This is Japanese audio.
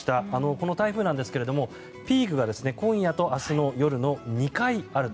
この台風なんですがピークが今夜と明日の夜の２回あると。